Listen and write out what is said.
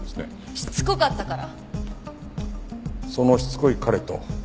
しつこかったから？